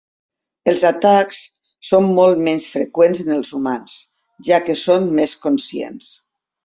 Els atacs són molt menys freqüents en els humans, ja que són més conscients.